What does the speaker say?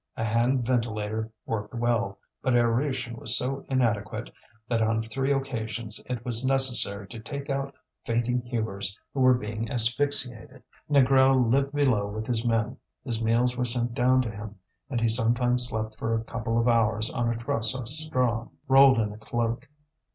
A hand ventilator worked well, but aeration was so inadequate that on three occasions it was necessary to take out fainting hewers who were being asphyxiated. Négrel lived below with his men. His meals were sent down to him, and he sometimes slept for a couple of hours on a truss of straw, rolled in a cloak.